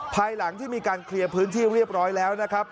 ภายหลังที่มีการเคลียร์พื้นที่เรียบร้อยแล้วนะครับ